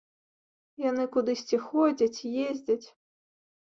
Яны кудысьці ходзяць, ездзяць.